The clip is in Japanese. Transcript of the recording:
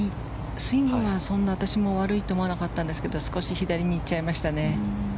スイングはそんなに私も悪いと思わなかったんですけど少し左に行っちゃいましたね。